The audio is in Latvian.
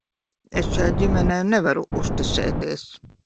Es šai ģimenei nevaru uzticēties.